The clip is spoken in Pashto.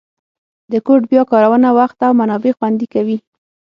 د کوډ بیا کارونه وخت او منابع خوندي کوي.